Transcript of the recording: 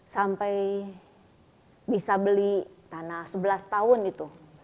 sampai bisa beli tanah sebelas tahun itu